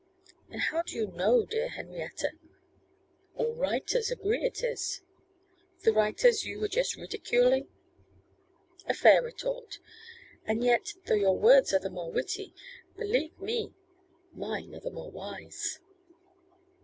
'And how do you know, dear Henrietta?' 'All writers agree it is.' 'The writers you were just ridiculing?' 'A fair retort; and yet, though your words are the more witty, believe me, mine are the more wise.